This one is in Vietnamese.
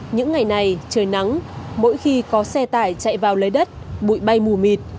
những ngày này trời nắng mỗi khi có xe tải chạy vào lấy đất bụi bay mù mịt